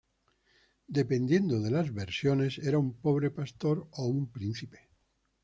Dependiendo de las versiones era un pobre pastor o un príncipe.